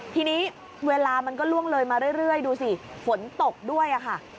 ทีนี้เวลามันก็ล่วงเลยมาเรื่อยดูสิฝนตกด้วยค่ะ